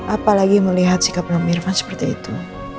apalagi melihat sikap om irfan seperti itu